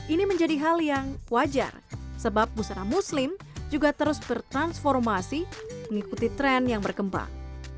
ini menjadi hal yang wajar sebab busana muslim juga terus bertransformasi mengikuti tren yang berkembang